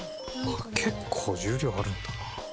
結構重量あるんだな。